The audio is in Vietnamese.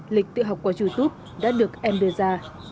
lịch tự học qua youtube đã được em đưa ra